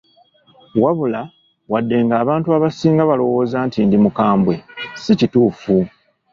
"Wabula, wadde ng’abantu abasinga balowooza nti ndi mukambwe, si kituufu."